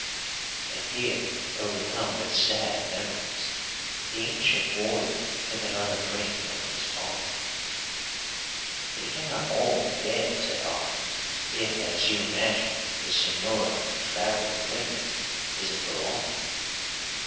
And here, overcome with sad memories, the ancient warrior took another drink from his bottle. "They cannot all be dead," said I, "if, as you imagine, the señora travelling with me is a Peralta."